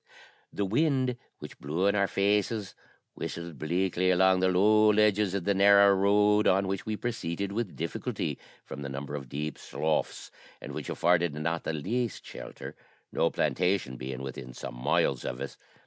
The wind, which blew in our faces, whistled bleakly along the low hedges of the narrow road, on which we proceeded with difficulty from the number of deep sloughs, and which afforded not the least shelter, no plantation being within some miles of us.